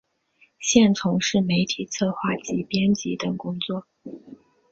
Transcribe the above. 现从事媒体策划及编辑等工作。